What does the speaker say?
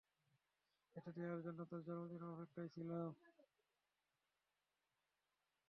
এটা দেওয়ার জন্য তোর জন্মদিনের অপেক্ষায় ছিলাম।